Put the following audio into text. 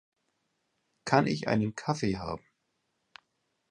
Kann ich einen Kaffee haben?